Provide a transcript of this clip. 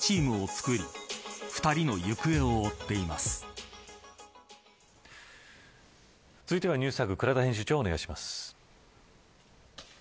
続いてはＮｅｗｓＴａｇ倉田編集長、お願いします。